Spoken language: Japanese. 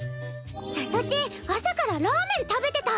さとちん朝からラーメン食べてた。